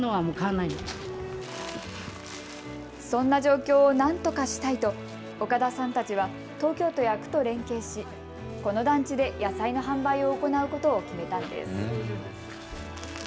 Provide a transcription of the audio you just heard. そんな状況をなんとかしたいと岡田さんたちは東京都や区と連携し、この団地で野菜の販売を行うことを決めたんです。